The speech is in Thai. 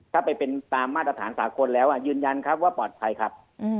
ถ้าไปเป็นตามมาตรฐานสากลแล้วยืนยันครับว่าปลอดภัยครับ